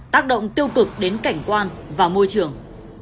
tác động tiêu cực đến cảnh quan và môi trường